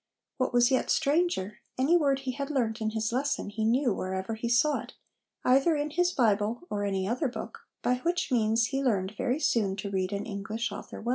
What was yet stranger, any word he had learnt in his lesson he knew wherever he saw it, either in his Bible or any other book, by which means he learned very soon to read an English author well."